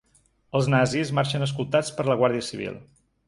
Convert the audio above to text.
Els nazis marxen escoltats per la guàrdia civil.